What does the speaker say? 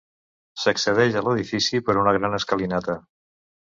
S'accedeix a l'edifici per una gran escalinata.